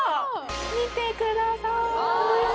見てください。